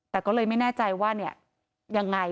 แต่ก็เลยไม่แน่ใจว่าเนี่ยยังไง